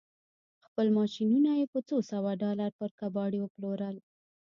خپل ماشينونه يې په څو سوه ډالر پر کباړي وپلورل.